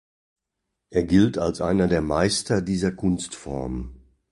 Er gilt als einer der Meister dieser Kunstform.